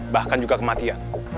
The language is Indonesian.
bahkan juga kematian